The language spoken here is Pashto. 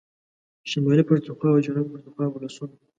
شمالي پښتونخوا او جنوبي پښتونخوا ولسونو